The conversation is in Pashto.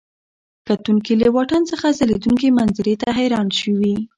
کتونکي له واټن څخه ځلېدونکي منظرې ته حیران شوي.